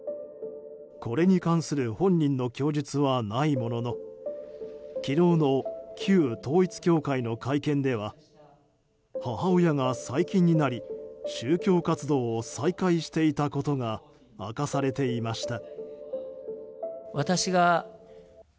これに関する本人の供述はないものの昨日の旧統一教会の会見では母親が最近になり宗教活動を再開していたことが明かされていました。